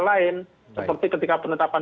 lain seperti ketika penetapan